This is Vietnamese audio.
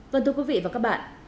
vâng thưa quý vị và các bạn